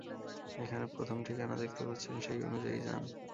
এখানে প্রথম ঠিকানা দেখতে পাচ্ছেন, সেই অনুযায়ী যান।